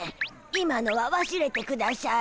今のはわすれてくだしゃい。